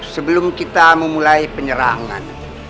sebelum kita memulai penyerangan